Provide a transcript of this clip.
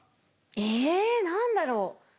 え何だろう？